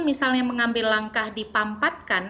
misalnya mengambil langkah dipampatkan